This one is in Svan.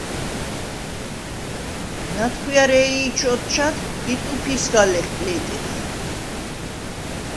ნათხვიარეი̄ ჩოთჩად ი ტუფი̄ სგა ლეჲტიხ.